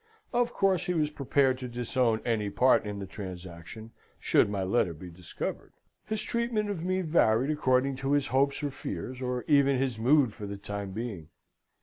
Of course he was prepared to disown any part in the transaction, should my letter be discovered. His treatment of me varied according to his hopes or fears, or even his mood for the time being.